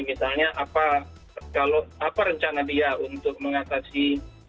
misalnya apa rencana dia untuk mengatasi